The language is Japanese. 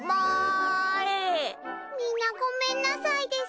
みんなごめんなさいです。